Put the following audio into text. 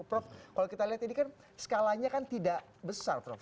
prof kalau kita lihat ini kan skalanya kan tidak besar prof